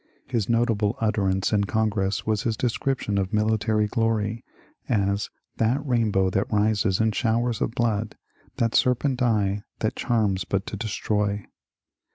" His notable utterance in Congress was his description of military glory as ''That rainbow that rises in showers of blood — that serpent eye that charms but to destroy."